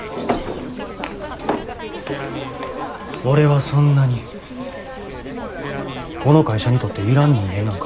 俺はそんなにこの会社にとっていらん人間なんか？